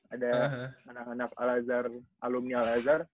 ada anak anak al azhar alumni al azhar